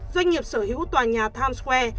doanh nghiệp sở hữu tòa nhà times square